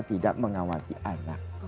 tidak mengawasi anak